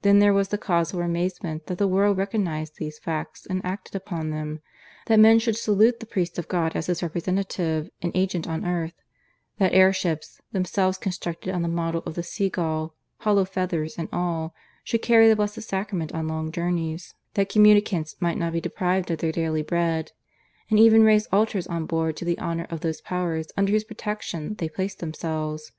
Then where was the cause for amazement that the world recognized these facts and acted upon them; that men should salute the priest of God as His representative and agent on earth; that air ships (themselves constructed on the model of the sea gull hollow feathers and all) should carry the Blessed Sacrament on long journeys, that communicants might not be deprived of their Daily Bread, and even raise altars on board to the honour of those Powers under whose protection they placed themselves.